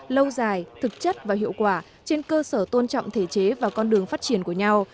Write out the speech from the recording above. lâu dài thực chất và hiệu quả trên cơ sở tôn trọng thể chế và con đường phát triển của nhau